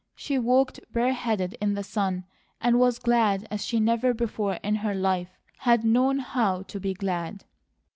She walked bareheaded in the sun and was glad as she never before in her life had known how to be glad.